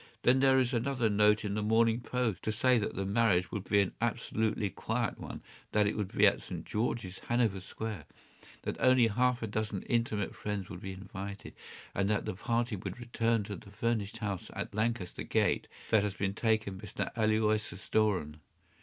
Then there is another note in The Morning Post to say that the marriage would be an absolutely quiet one, that it would be at St. George’s, Hanover Square, that only half a dozen intimate friends would be invited, and that the party would return to the furnished house at Lancaster Gate which has been taken by Mr. Aloysius Doran.